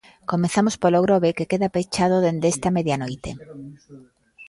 Comezamos polo Grove que queda pechado dende esta medianoite.